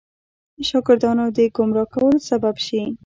شاګردانو د ګمراه کولو سبب شي.